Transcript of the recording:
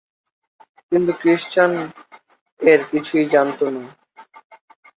কিন্তু ক্রিশ্চিয়ান এর কিছুই জানত না।